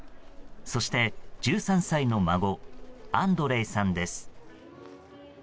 そして１３歳の孫アンドレイさんです。